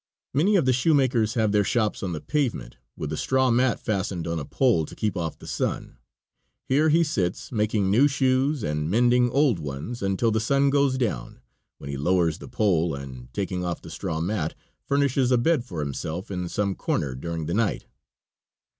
Many of the shoemakers have their shops on the pavement, with a straw mat fastened on a pole to keep off the sun. Here he sits making new shoes and mending old ones until the sun goes down, when he lowers the pole, and taking off the straw mat, furnishes a bed for himself in some corner during the night.